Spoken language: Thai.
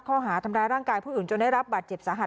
ข้อหาทำร้ายร่างกายผู้อื่นจนได้รับบาดเจ็บสาหัส